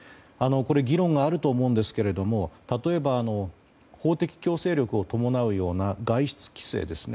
議論があると思いますが例えば法的強制力を伴うような外出規制ですね。